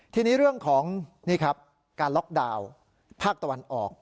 ทีนี้เรื่องของนี่ครับการล็อกดาวน์ภาคตะวันออก